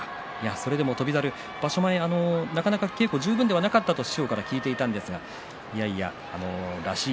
それでも翔猿、場所前なかなか稽古十分ではなかったと師匠から聞いていましたがいやいや、らしい